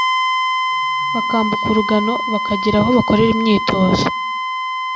bakambuka urugano bakagera aho bakorera imyitozo